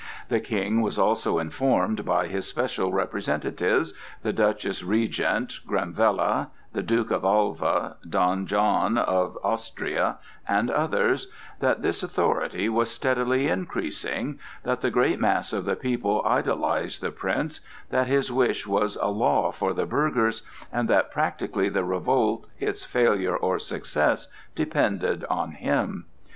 The King was also informed by his special representatives—the Duchess Regent, Granvella, the Duke of Alva, Don John of Austria, and others—that this authority was steadily increasing, that the great mass of the people idolized the Prince, that his wish was a law for the burghers, and that practically the revolt, its failure or success, depended on him.